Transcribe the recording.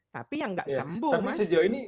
tapi yang nggak sembuh mas